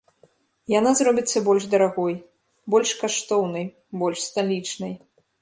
Яна зробіцца больш дарагой, больш каштоўнай, больш сталічнай.